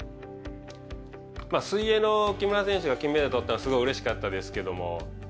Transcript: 水泳の木村選手が金メダルを取ったのはすごいうれしかったですけれども。